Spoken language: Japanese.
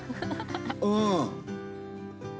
うん。